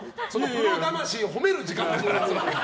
プロ魂を褒める時間だから。